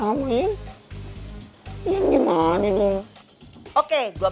sebesar apapun dosa yan